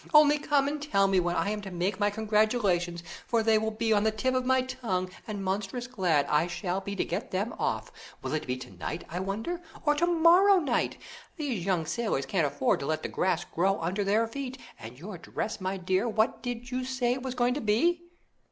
Only come and tell me when I am to make my congratulations, for they will be on the tip of my tongue, and monstrous glad I shall be to get them off. Will it be to night, I wonder, or to morrow night? These young sailors can't afford to let the grass grow under their feet. And your dress, my dear, what did you say it was going to be?"